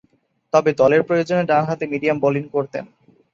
তবে দলের প্রয়োজনে ডানহাতে মিডিয়াম বোলিং করতেন।